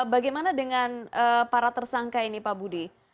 bagaimana dengan para tersangka ini pak budi